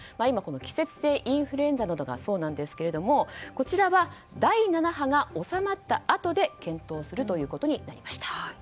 季節性インフルエンザなどがそうなんですけどもこちらは第７波が収まったあとで検討するということになりました。